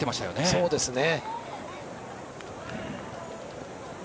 そうですね。